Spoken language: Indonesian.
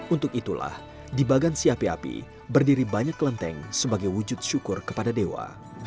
untuk itulah di bagansi api api berdiri banyak kelenteng sebagai wujud syukur kepada dewa